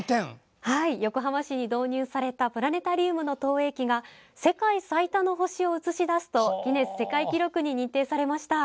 横浜市に導入されたプラネタリウムの投影機が「世界最多の星を映し出す」とギネス世界記録に認定されました。